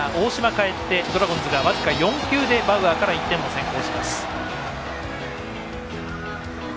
かえってドラゴンズが僅か４球でバウアーから１点を先行します。